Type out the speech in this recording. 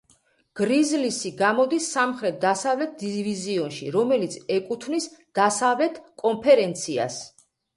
გრიზლისი გამოდის სამხრეთ-დასავლეთ დივიზიონში, რომელიც ეკუთვნის დასავლეთ კონფერენციას.